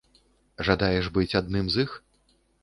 Жадаеш быць адным з іх?